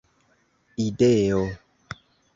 ideo